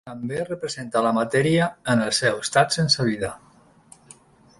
També representa la matèria en el seu estat sense vida.